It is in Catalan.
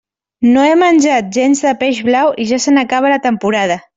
No he menjat gens de peix blau i ja se n'acaba la temporada.